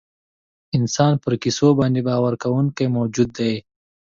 انسان پر کیسو باندې باور کوونکی موجود دی.